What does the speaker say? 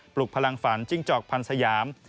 ลุกพลังฝันจิ้งจอกพันธ์สยาม